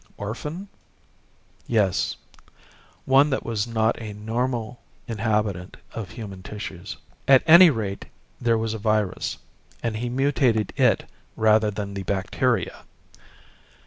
"Orphan?" "Yes one that was not a normal inhabitant of human tissues. At any rate there was a virus and he mutated it rather than the bacteria.